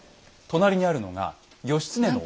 隣にあるのが義経の。